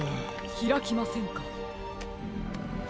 ひらきませんか。